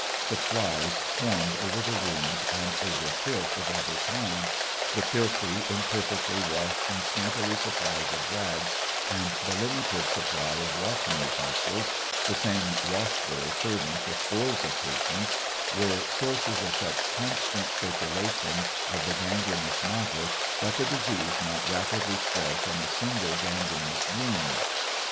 The flies swarmed over the wounds and over filth of every kind, the filthy, i mperfectly washed and scanty supplies of rags, and the limited sup ply of washing utensils, the same wash bowl serving for scores of patients were sources of such constant circulation of the gangrenous matter that the disease might rapidly spread from a single gangrenous wound.